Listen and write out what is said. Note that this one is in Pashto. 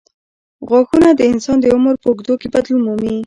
غاښونه د انسان د عمر په اوږدو کې بدلون مومي.